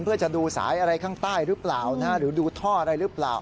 เพื่อจะดูสายอะไรข้างใต้หรือเปล่าหรือดูท่ออะไรหรือเปล่า